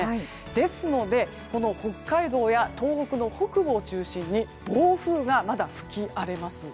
ですので北海道や東北北部を中心に暴風がまだ吹き荒れます。